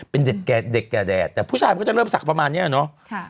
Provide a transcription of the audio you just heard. เป็นเด็กกระแดดแต่ผู้ชายมันก็จะเริ่มสักประมาณนี้อะเนอะ